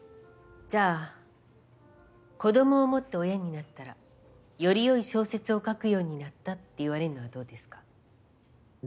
じゃあ「子供を持って親になったらより良い小説を書くようになった」って言われるのはどうですか？